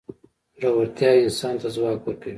زړورتیا انسان ته ځواک ورکوي.